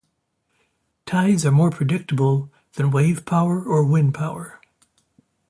Tides are more predictable than wave power or wind power.